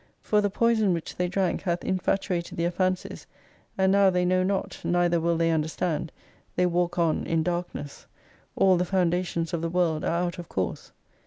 For the poison which they drank hath infatuated their fancies, and now they know not, neither will they understand^ tJiey walk on in Darkness, All the foundations of the World are out of course.